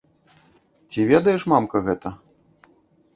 Ці ведаеш, мамка, гэта?